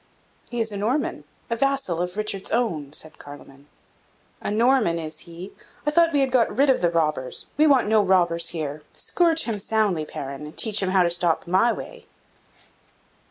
"He is a Norman a vassal of Richard's own," said Carloman. "A Norman, is he? I thought we had got rid of the robbers! We want no robbers here! Scourge him soundly, Perron, and teach him how to stop my way!"